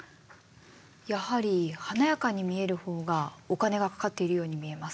やはり華やかに見える方がお金がかかっているように見えます。